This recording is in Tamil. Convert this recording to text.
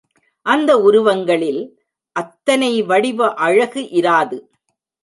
அந்த உருவங்களில் அத்தனை வடிவ அழகு இராது.